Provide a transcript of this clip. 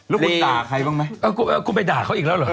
แล้วคุณด่าใครบ้างไหมคุณไปด่าเขาอีกแล้วเหรอ